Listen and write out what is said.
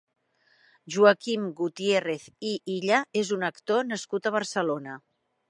Joaquim Gutiérrez i Ylla és un actor nascut a Barcelona.